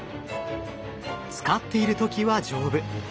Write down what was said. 使っている時は丈夫。